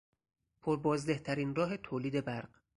پر بازده ترین راه تولید برق